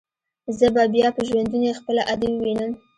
زه به بيا په ژوندوني خپله ادې ووينم.